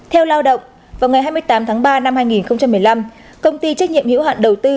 theo lao động vào ngày hai mươi tám tháng ba năm hai nghìn một mươi năm công ty trách nhiệm hữu hạn đầu tư